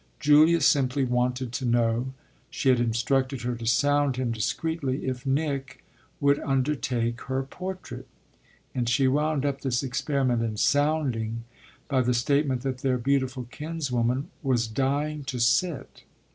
Julia simply wanted to know she had instructed her to sound him discreetly if Nick would undertake her portrait; and she wound up this experiment in "sounding" by the statement that their beautiful kinswoman was dying to sit.